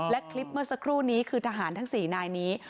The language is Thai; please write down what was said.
และคลิปเมื่อสักครู่นี้คือทหารทั้ง๔นายนี้